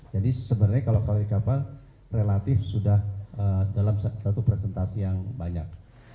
jadi sebenarnya kalau kelaikan kapal relatif sudah dalam satu presentasi yang banyak